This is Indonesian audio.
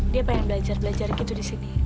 dia pengen belajar belajar gitu di sini